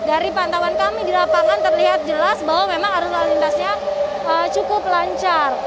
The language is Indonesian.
dari pantauan kami di lapangan terlihat jelas bahwa memang arus lalu lintasnya cukup lancar